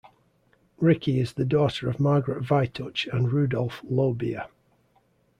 Ricky is the daughter of Margaret Vytouch, and Rudolph Low-Beer.